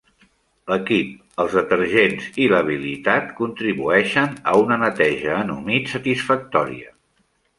L'equip, els detergents i l'habilitat contribueixen a una neteja en humit satisfactòria.